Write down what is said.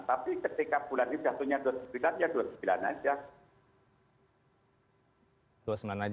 tapi ketika bulan itu jatuhnya dua puluh sembilan ya dua puluh sembilan saja